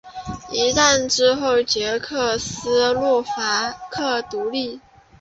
一战之后捷克斯洛伐克独立。